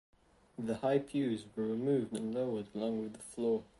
The high pews were removed and lowered along with the floor.